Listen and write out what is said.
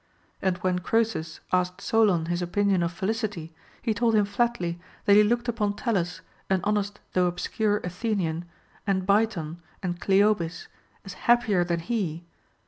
And when Croesus asked Solon his opinion of felicity, he told him flatly, that he looked upon Tellus, an honest though obscure Athenian, and Biton and Cleobis, as happier than he.